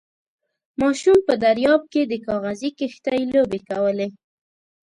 ماشوم په درياب کې د کاغذي کښتۍ لوبې کولې.